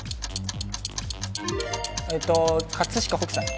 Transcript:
えっと飾北斎。